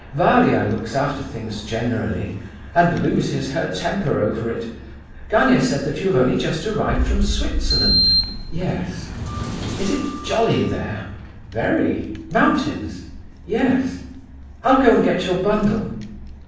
Varia looks after things, generally, and loses her temper over it. Gania says you have only just arrived from Switzerland?" "Yes." "Is it jolly there?" "Very." "Mountains?" "Yes." "I'll go and get your bundle."